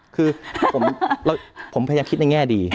คือผมพยายามคิดในแง่ดี